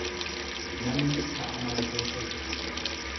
Namni ka'a mana keessatti.